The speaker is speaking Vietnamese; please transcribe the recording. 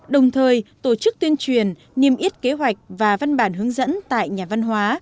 đồng thời tổ chức tuyên truyền niêm yết kế hoạch và văn bản hướng dẫn tại nhà văn hóa